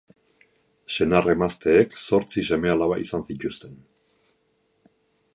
Senar-emazteek zortzi seme-alaba izan zituzten.